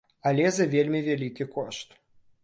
Але за вельмі вялікі кошт.